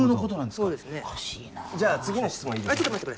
そうですねじゃあ次の質問いいですか？